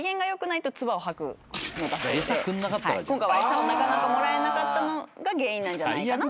今回は餌をなかなかもらえなかったのが原因なんじゃないかなって。